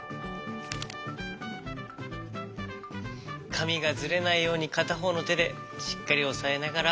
かみがずれないようにかたほうのてでしっかりおさえながら。